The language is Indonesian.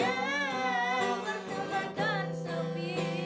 berkembang dan sepi